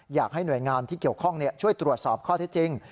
อยากให้หน่วยงานที่เกี่ยวข้องช่วยตรวจสอบข้อที่จริง